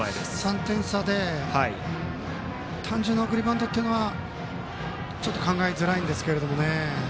３点差で単純な送りバントというのはちょっと考えづらいです。